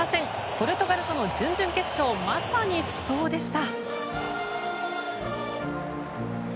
ポルトガルとの準々決勝まさに死闘でした。